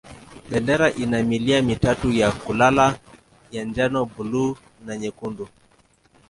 Bendera ina milia mitatu ya kulala ya njano, buluu na nyekundu.